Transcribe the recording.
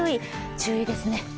注意ですね。